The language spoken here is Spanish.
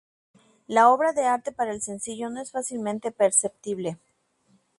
La obra de arte para el sencillo no es fácilmente perceptible.